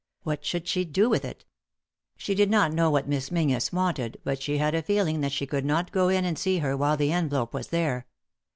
What should she do with it ? She did not know what Miss Menzies wanted, but she had a feeling that she could not go in and see her while the envelope was there.